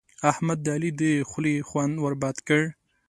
احمد د علي د خولې خوند ور بد کړ.